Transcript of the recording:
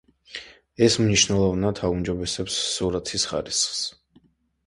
ეს მნიშვნელოვნად აუმჯობესებს სურათის ხარისხს.